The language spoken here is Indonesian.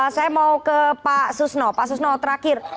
saya mau ke pak susno pak susno terakhir